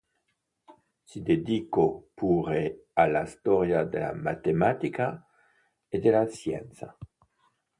Si dedicò pure alla storia della matematica e della scienza.